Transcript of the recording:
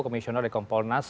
komisioner dari komponas